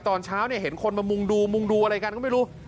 ตอนเช้าเนี่ยเห็นคนมามุงดูมุงดูอะไรกันก็ไม่รู้